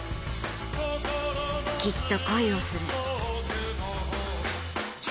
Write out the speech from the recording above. きっと恋をする。